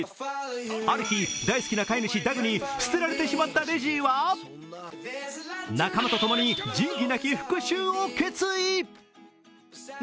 ある日、大好きな飼い主・ダグに捨てられてしまったレジーは仲間とともに仁義なき復しゅうを決意。